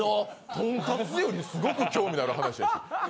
とんかつよりすごく興味のある話でした。